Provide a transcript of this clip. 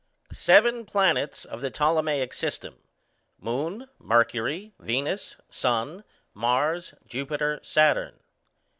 _Seven planets of the Ptolemaic system _ Moon, Mercury, Venus, Sun, Mars, Jupiter, Saturn.